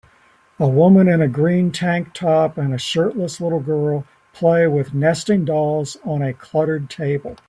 A woman in a green tank top and a shirtless little girl play with nesting dolls on a cluttered table